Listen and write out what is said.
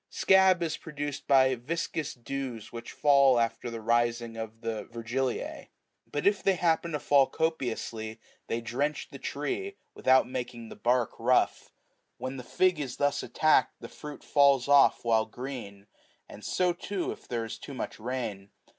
Scab95 is produced by viscous dews which fall after the rising of the Yergiliae ; but if they happen to fall copiously, they drench the tree, without making the bark rough. When the fig is thus attacked, the fruit falls off while green ; and so, too, if there is too much rain.